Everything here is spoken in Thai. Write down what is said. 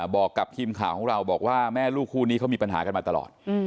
บอกกับทีมข่าวของเราบอกว่าแม่ลูกคู่นี้เขามีปัญหากันมาตลอด